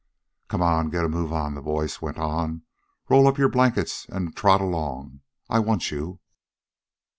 "Come on, get a move on," the voice went on. "Roll up your blankets an' trot along. I want you."